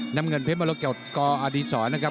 น้ำเงินเพชรมรกฏกอดีศรนะครับ